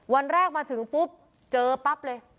วันแรกมาถึงปุ๊บเจอปั๊บเลย